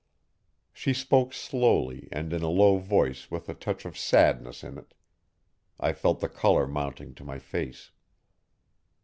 She spoke slowly and in a low voice with a touch of sadness in it. I felt the colour mounting to my face.